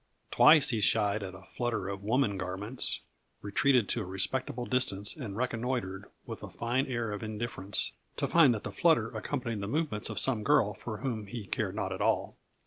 Twice he shied at a flutter of woman garments, retreated to a respectable distance and reconnoitred with a fine air of indifference, to find that the flutter accompanied the movements of some girl for whom he cared not at all.